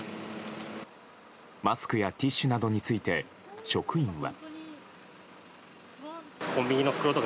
マスクやティッシュなどについて職員は。